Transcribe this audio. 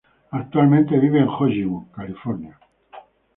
Actualmente vive en Hollywood, California.